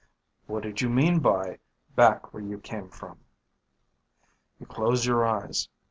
What did you mean by back where you came from? You close your eyes.